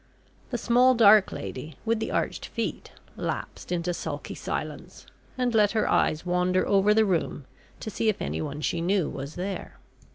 The small, dark lady, with the arched feet, lapsed into sulky silence, and let her eyes wander over the room to see if anyone she knew was there.